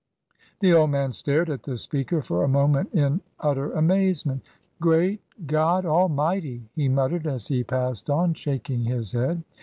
The old man stared at the speaker for a moment in utter amazement. "Great— God— Almighty!" he muttered as he passed on, shaking his head.